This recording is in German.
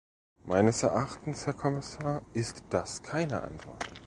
Meines Erachtens, Herr Kommissar, ist das keine Antwort.